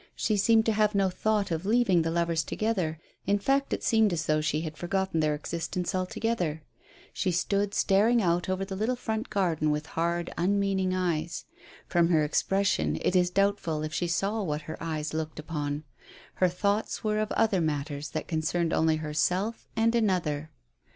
She seemed to have no thought of leaving the lovers together; in fact, it seemed as though she had forgotten their existence altogether. She stood staring out over the little front garden with hard, unmeaning eyes. From her expression it is doubtful if she saw what her eyes looked upon. Her thoughts were of other matters that concerned only herself and another.